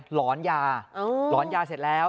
หลอนยาหลอนยาเสร็จแล้ว